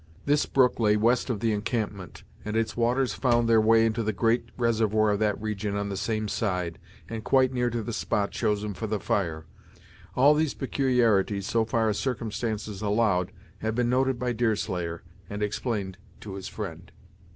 This brook lay west of the encampment, and its waters found their way into the great reservoir of that region on the same side, and quite near to the spot chosen for the fire. All these peculiarities, so far as circumstances allowed, had been noted by Deerslayer, and explained to his friend.